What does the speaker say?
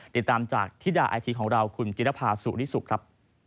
ติดตามจากธิดาไอทีของเราคุณจิรภาสุริสุขครับ